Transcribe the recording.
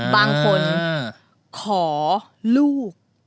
บางคนขอลูก